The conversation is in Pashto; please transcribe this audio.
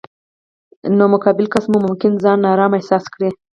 نو مقابل کس مو ممکن ځان نا ارامه احساس کړي.